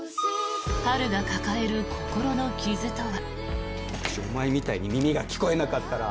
春が抱える心の傷とは。